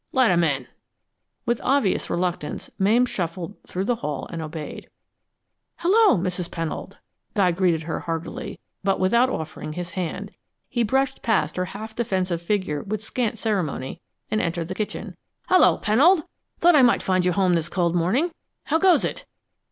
Let him in." With obvious reluctance, Mame shuffled through the hall and obeyed. "Hello, Mrs. Pennold!" Guy greeted her heartily, but without offering his hand. He brushed past her half defensive figure with scant ceremony, and entered the kitchen. "Hello, Pennold. Thought I might find you home this cold morning. How goes it?"